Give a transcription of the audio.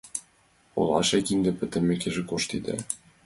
Олаште кинде пытымешке коштеда.